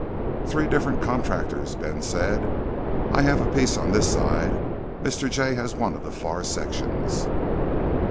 "Three different contractors," Ben said. "I have a piece on this side. Mr. Jay has one of the far sections."